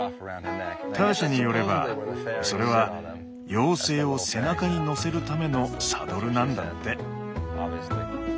ターシャによればそれは妖精を背中に乗せるためのサドルなんだって。